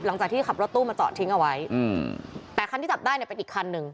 หลังจากที่ขับรถตู้มาจอดทิ้งเอาไว้อืมแต่คันที่จับได้เนี่ยเป็นอีกคันหนึ่ง